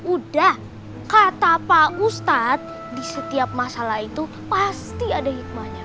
udah kata pak ustadz di setiap masalah itu pasti ada hikmahnya